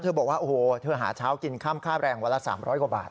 บอกว่าโอ้โหเธอหาเช้ากินค่ำค่าแรงวันละ๓๐๐กว่าบาท